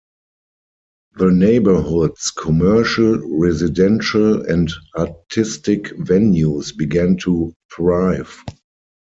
The neighborhood's commercial, residential, and artistic venues began to thrive.